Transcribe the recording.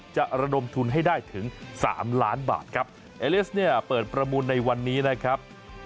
ระดมทุนให้ได้ถึงสามล้านบาทครับเอเลสเนี่ยเปิดประมูลในวันนี้นะครับ